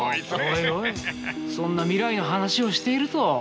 おいおいそんな未来の話をしていると。